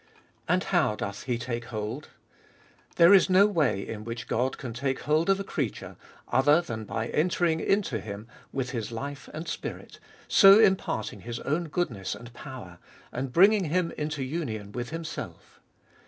And how doth He take hold ? There is no way in which God can take hold of a creature other than by entering into 1 Become. ioo abe ibolfest of HIl him with His life and spirit, so imparting His own goodness and power, and bringing him into union with Himself.